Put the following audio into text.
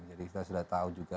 kita sudah tahu juga